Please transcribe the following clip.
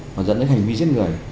và dẫn đến hành vi giết người